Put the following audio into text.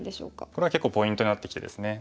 これは結構ポイントになってきてですね。